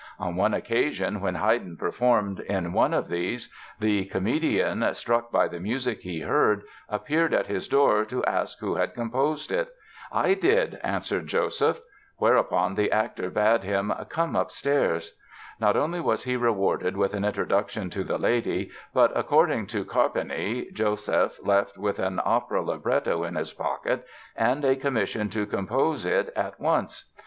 On one occasion, when Haydn performed in one of these, the comedian, struck by the music he heard, appeared at his door to ask who had composed it. "I did", answered Joseph; whereupon the actor bade him "Come upstairs!" Not only was he rewarded with an introduction to the lady but, according to Carpani, Joseph left with an opera libretto in his pocket and a commission to compose it at once.